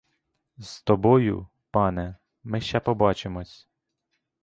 З тобою, пане, ми ще побачимось.